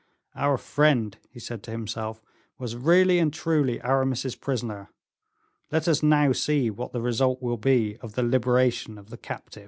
"Our friend," he said to himself, "was really and truly Aramis's prisoner. Let us now see what the result will be of the liberation of the captive."